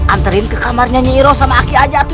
anterin ke kamarnya nyiroh sama aku saja atu